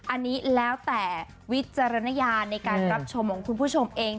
อันนี้แล้วแต่วิจารณญาณในการรับชมของคุณผู้ชมเอง